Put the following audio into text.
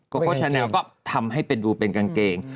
โกโก้ชาแนลก็ทำให้ดูเป็นกางเกง